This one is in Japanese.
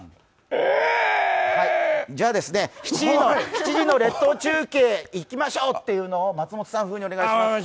じゃ、７時の列島中継いきましょうというのを松本さん風にお願いします。